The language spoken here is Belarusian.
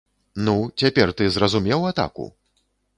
Ну, цяпер ты зразумеў атаку?